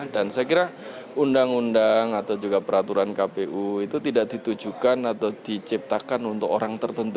dan saya kira undang undang atau juga peraturan kpu itu tidak ditujukan atau diciptakan untuk orang tertentu